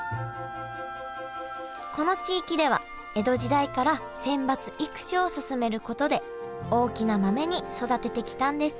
この地域では江戸時代から選抜育種を進めることで大きな豆に育ててきたんです